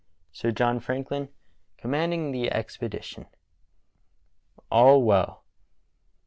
Sir John Franklin commanding the Expedition. All well.